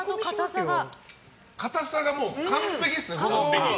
硬さが完璧ですね。